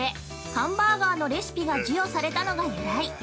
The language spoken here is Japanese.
ハンバーガーのレシピが授与されたのが由来。